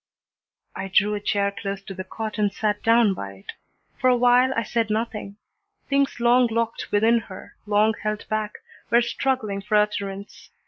I drew a chair close to the cot and sat down by it. For a while I said nothing. Things long locked within her, long held back, were struggling for utterance.